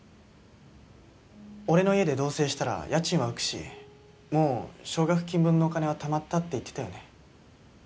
俺の家で同棲したら家賃は浮くしもう奨学金分のお金は貯まったって言ってたよね？